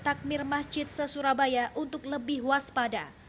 takmir masjid se surabaya untuk lebih waspada